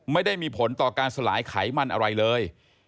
ไม่ได้มีผลต่อการสลายไขมันอะไรเลย